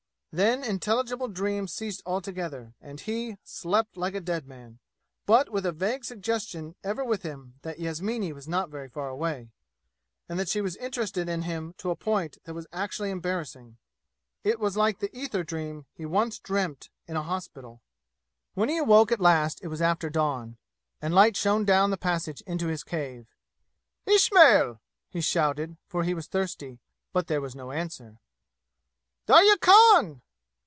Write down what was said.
Then intelligible dreams ceased altogether, and he, slept like a dead man, but with a vague suggestion ever with him that Yasmini was not very far away, and that she was interested in him to a point that was actually embarrassing. It was like the ether dream he once dreamt in a hospital. When he awoke at last it was after dawn, and light shone down the passage into his cave. "Ismail!" he shouted, for he was thirsty. But there was no answer. "Darya Khan!"